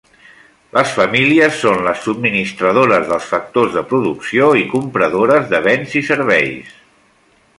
Les famílies són les subministradores dels factors de producció i compradores de béns i serveis.